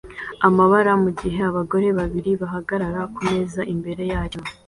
amabara mugihe abagore babiri bahagarara kumeza imbere yacyo.